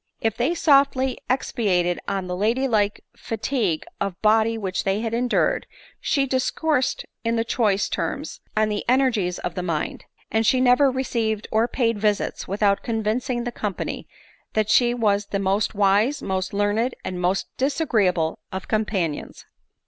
If they sofdy expatiated on the lady like fatigue of body which they had endured, she discoursed in choice terms on the energies of the mind ; and she never re ceived or paid visits without convincing the company that she was the most wise, most learned, and most disagree able of companions.